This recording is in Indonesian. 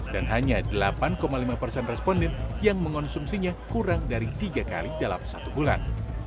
dan hanya delapan lima persen responden yang mengonsumsinya kurang dari tiga kali dalam satu bulan